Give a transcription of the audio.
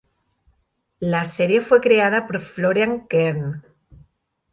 La serie fue creada por Florian Kern.